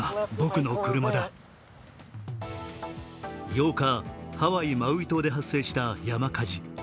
８日、ハワイ・マウイ島で発生した山火事。